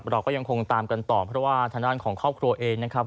เราก็ยังคงตามกันต่อเพราะว่าทางด้านของครอบครัวเองนะครับ